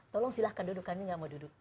tolong silahkan duduk kami gak mau duduk